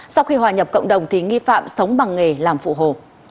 sau khi hòa nhập cộng đồng thì nghi phạm sống bằng nghề làm phụ hồ